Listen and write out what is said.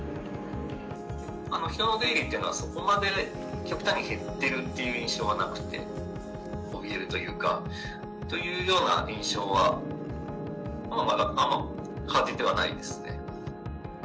人の出入りっていうのは、そこまで極端に減っているっていう印象はなくて、おびえるというか、というような印象は、まだ感じてはないですね。